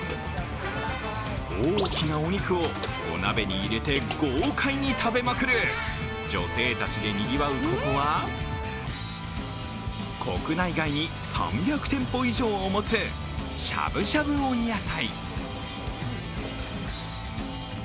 大きなお肉を、お鍋に入れて豪快に食べまくる女性たちでにぎわうここは、国内外に３００店舗以上を持つしゃぶしゃぶ温野菜。